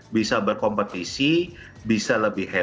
bisa berkompetisi bisa lebih hebat